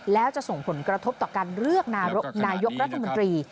แล้วจะส่งผลกระทบต่อการเลือกนายกรัฐมนตรี